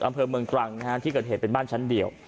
อำเภอเมืองตรังนะฮะที่เกิดเหตุเป็นบ้านชั้นเดียว